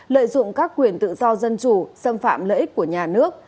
lợi dụng các quyền tự do dân chủ xâm phạm lợi ích của nhà nước